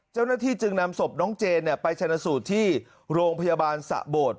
เจ้าหน้าที่จึงนำศพน้องเจนไปชนะสูตรที่โรงพยาบาลสะโบด